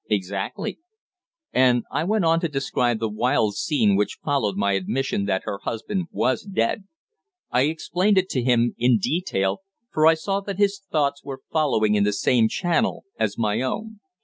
"Exactly." And I went on to describe the wild scene which followed my admission that her husband was dead. I explained it to him in detail, for I saw that his thoughts were following in the same channel as my own.